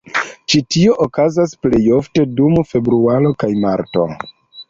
Ĉi tio okazas plejofte dum februaro kaj marto.